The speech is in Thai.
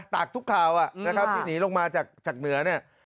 ตากทุกคราวที่หนีลงมาจากเหนือ